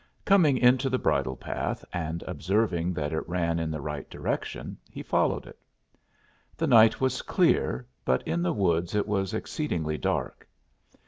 Coming into the bridle path, and observing that it ran in the right direction, he followed it. The night was clear, but in the woods it was exceedingly dark.